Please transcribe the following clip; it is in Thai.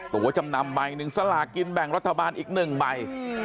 ตัวจำนำอีกหนึ่งสละกินแบ่งรัฐบาลอีกหนึ่งใบ